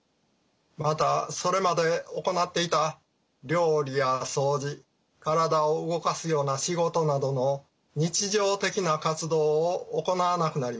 またそれまで行っていた料理や掃除体を動かすような仕事などの日常的な活動を行わなくなります。